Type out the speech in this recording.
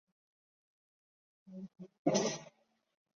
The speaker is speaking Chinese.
原始的专案提供了一个使用者介面以管理所有已安装的软体包。